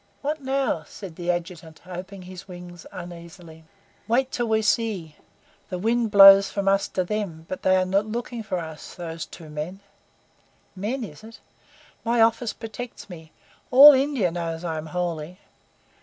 "What now?" said the Adjutant, opening his wings uneasily. "Wait till we see. The wind blows from us to them, but they are not looking for us those two men." "Men, is it? My office protects me. All India knows I am holy."